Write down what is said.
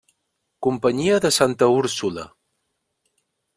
Companyia de Santa Úrsula.